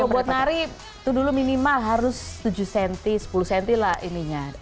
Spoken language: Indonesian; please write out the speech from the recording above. kalau buat nari itu dulu minimal harus tujuh cm sepuluh cm lah ininya